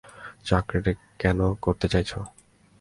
চাকরিটা কেন করতে চাইছো?